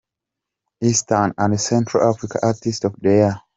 Eastern and central Africa artist of the year.